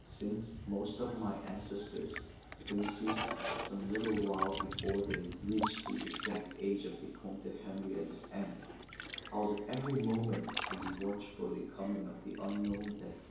Since most of my ancestors had been seized some little while before they reached the exact age of the Comte Henri at his end, I was every moment on the watch for the coming of the unknown death.